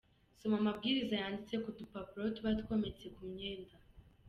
Soma amabwiriza yanditse ku dupapuro tuba twometse ku myenda.